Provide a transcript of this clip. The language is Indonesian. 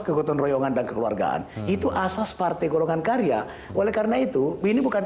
kegotong royongan dan kekeluargaan itu asas partai golongan karya oleh karena itu ini bukan